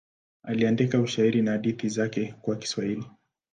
Aliandika ushairi na hadithi zake kwa Kiswahili.